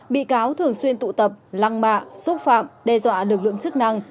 bị cáo thường xuyên tụ tập lăng mạ xúc phạm đe dọa lực lượng chức năng